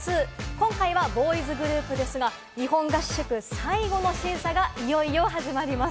今回はボーイズグループですが、日本合宿最後の審査がいよいよ始まります。